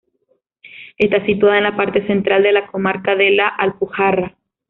Está situada en la parte central de la comarca de La Alpujarra.